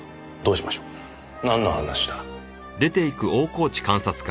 なんの話だ？